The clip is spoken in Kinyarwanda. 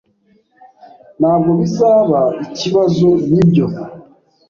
Ntabwo bizaba ikibazo, nibyo?